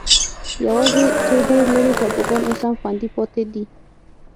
یوازې څو ډېر لرې ټاپوګان اوس هم خوندي پاتې دي.